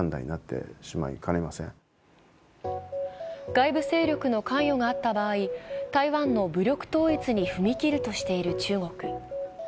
外部勢力の関与があった場合、台湾の武力統一に踏み切るとしている中国。